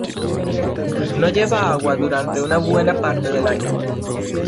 No lleva agua durante una buena parte del año.